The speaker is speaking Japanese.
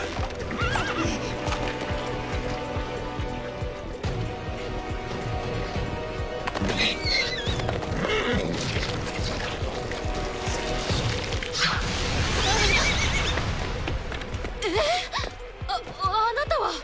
⁉ああああなたは！！